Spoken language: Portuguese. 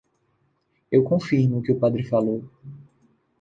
Eu confirmo o que o padre falou.